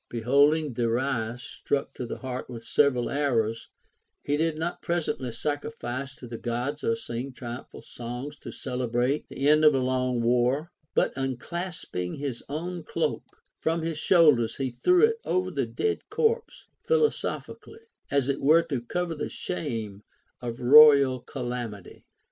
Beholding Darius stuck to the heart with several arrows, he did not presently sacrifice to the Gods or sing triumphal songs to celebrate the end of so long a war, but unclasping his own cloak from his shoulders he threw it over the dead corpse philosophically, as it were to cover the shame of royal calamity.